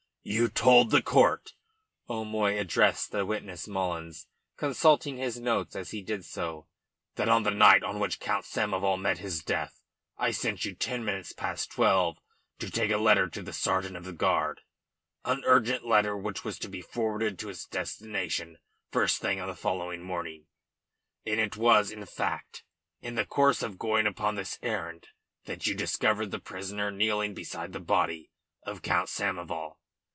"You told the court," O'Moy addressed the witness Mullins, consulting his notes as he did so, "that on the night on which Count Samoval met his death, I sent you at ten minutes past twelve to take a letter to the sergeant of the guard, an urgent letter which was to be forwarded to its destination first thing on the following morning. And it was in fact in the course of going upon this errand that you discovered the prisoner kneeling beside the body of Count Samoval.